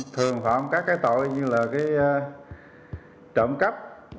thường phạm các tội như trộm cắp